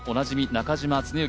中嶋常幸